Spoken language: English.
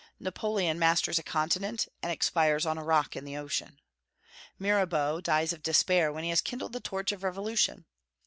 Napoleon masters a continent, and expires on a rock in the ocean. Mirabeau dies of despair when he has kindled the torch of revolution.